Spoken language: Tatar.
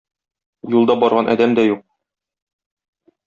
Юлда барган адәм дә юк.